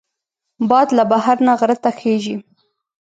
باد له بحر نه غر ته خېژي